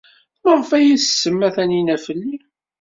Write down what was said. Maɣef ay as-tsemma Taninna fell-i?